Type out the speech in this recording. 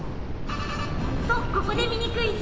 と、ここでミニクイズ。